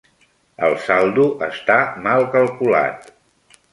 El saldo està mal calculat.